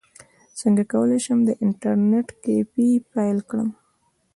څنګه کولی شم د انټرنیټ کیفې پیل کړم